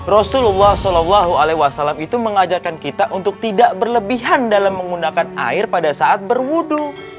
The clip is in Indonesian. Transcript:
rasulullah saw itu mengajarkan kita untuk tidak berlebihan dalam menggunakan air pada saat berwudu